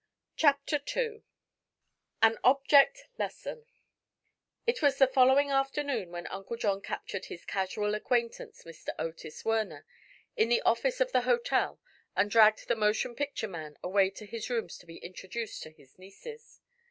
CHAPTER II AN OBJECT LESSON It was the following afternoon when Uncle John captured his casual acquaintance, Mr. Otis Werner, in the office of the hotel and dragged the motion picture man away to his rooms to be introduced to his nieces.